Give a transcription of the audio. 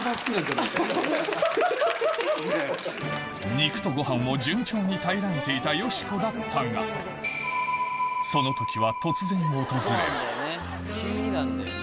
肉とご飯を順調に平らげていたよしこだったがそうなんだよね